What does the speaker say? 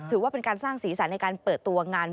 ถือว่าเป็นการสร้างสีสันในการเปิดตัวงาน